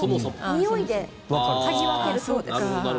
においで嗅ぎ分けるそうです。